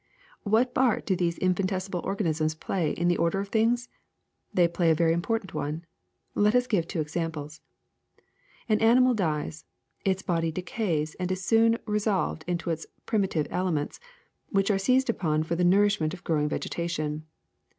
*^What part do these infinitesi mal organisms play in the order of things 1 They play a very im portant one. Let us give two ex amples. An animal dies. Its body de cays and is sooij resolved into its primitive elements, which are seized upon for the nourishment of growing vegetation.